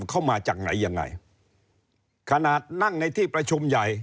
เข้ามาจากไหนยังไงขนาดนั่งในที่ประชุมใหญ่